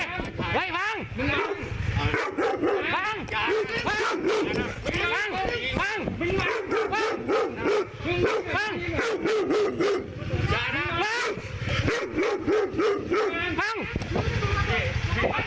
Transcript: อย่าสั้นอย่าสั้นเปิดทั้งคู่เปิดก่อนครับ